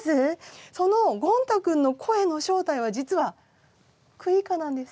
そのゴン太くんの声の正体は実はクイーカなんです。